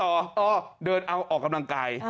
โอ้อย่าเดินออกกำลังกาย